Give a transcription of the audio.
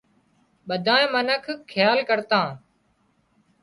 ٻڌانئي منک کيال ڪرتان